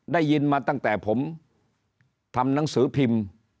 ได้ยินมาตั้งแต่ผมทำหนังสือพิมพ์